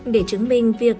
để chứng minh việc